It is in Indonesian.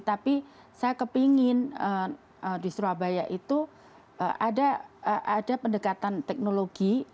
tapi saya kepingin di surabaya itu ada pendekatan teknologi